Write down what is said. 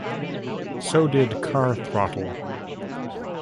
So did "Car Throttle".